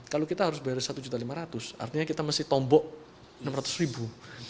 kalau kita harus bayar satu lima ratus artinya kita mesti tombok enam ratus